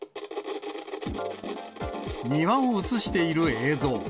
庭をうつしている映像。